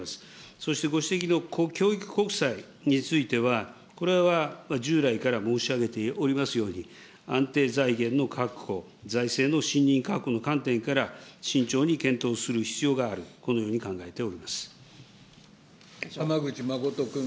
そしてご指摘の教育国債については、これは従来から申し上げておりますように、安定財源の確保、財政のしんにん確保の観点から慎重に検討する必要がある、このよ浜口誠君。